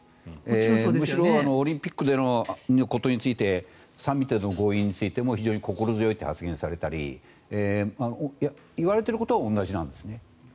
むしろオリンピックのことについてサミットでの合意についても非常に心強いという話をされたり言われていることは同じなんですね。